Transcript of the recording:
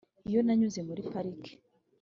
iyo nanyuze muri parike